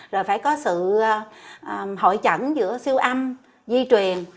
rồi phải có sự hội chẩn giữa siêu âm di truyền